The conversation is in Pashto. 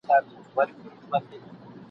د تور شیطان د جهل او سوځلي !.